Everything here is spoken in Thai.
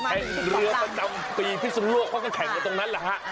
แข่งเรือประจำปีพิศนุโลกเพราะก็แข่งตรงนั้นละฮะ